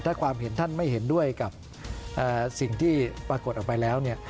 ถ้าความเห็นท่านไม่เห็นด้วยกับสิ่งที่ปรากฏออกไปแล้วเนี่ย